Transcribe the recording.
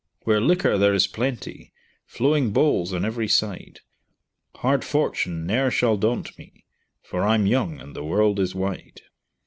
Where liquor there is plenty, Flowing bowls on every side, Hard fortune ne'er shall daunt me, For I'm young and the world is wide."